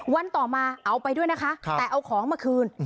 ต่อมาเอาไปด้วยนะคะแต่เอาของมาคืน